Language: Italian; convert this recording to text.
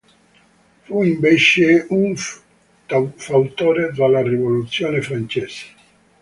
Fu invece un fautore della Rivoluzione francese.